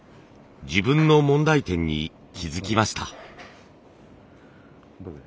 自分の問題点に気付きました。